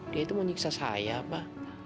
dia tuh mau nyiksa saya pak